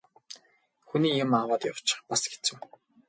Хүний юм аваад явчих бас хэцүү.